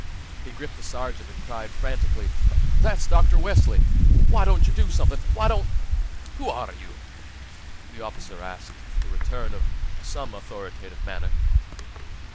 He gripped the sergeant and cried frantically: "That's Dr. Wesley! Why don't you do something? Why don't " "Who are you?" the officer asked, with some return of an authoritative manner.